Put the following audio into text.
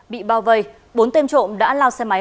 bị bao vây bốn tên trộm đã lao xe máy